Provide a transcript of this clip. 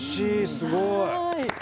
すごい！